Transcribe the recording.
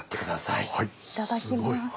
いただきます。